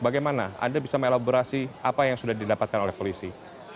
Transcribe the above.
bagaimana anda bisa melaborasi apa yang sudah didapatkan oleh polisi